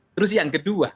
terus yang kedua